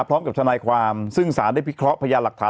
พร้อมกับทนายความซึ่งสารได้พิเคราะห์พยานหลักฐาน